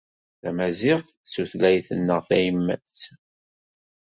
Tamaziɣt d tutlayt-nneɣ tayemmat.